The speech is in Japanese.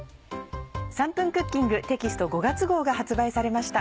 『３分クッキング』テキスト５月号が発売されました。